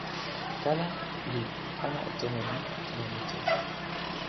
kala li pana e tomo ni tawa mi tu.